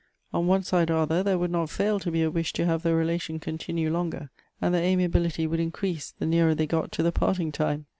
On one side or other there would not fail to bo a wish to have the relation continue longer, and the amia bility would increase the nearer they got to the parting time.